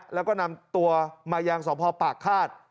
แล้วก็นำตัวมายังสพปากฆาต